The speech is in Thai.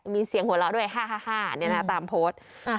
มีเสียงหัวเราะด้วยฮ่าเนี่ยนะตามโพสต์